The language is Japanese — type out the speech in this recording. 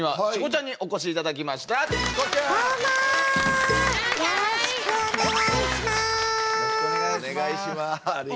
よろしくお願いします！